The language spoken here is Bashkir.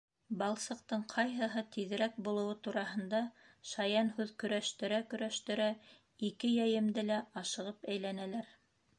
Балсыҡтың ҡайһыһы тиҙерәк булыуы тураһында шаян һүҙ көрәштерә-көрәштерә, ике йәйемде лә ашығып әйләнәләр.